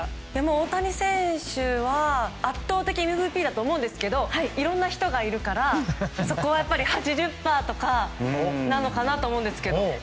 大谷選手は圧倒的ＭＶＰだと思うんですけどいろんな人がいるからそこはやっぱり８０％とかなのかなと思うんですが。